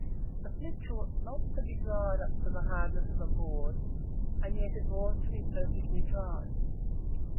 The flitch ought not to be dried up to the hardness of a board, and yet it ought to be perfectly dry.